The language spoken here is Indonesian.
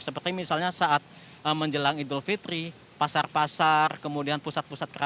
seperti misalnya saat menjelang idul fitri pasar pasar kemudian pusat pusat